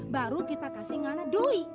baru kita kasih ngana doi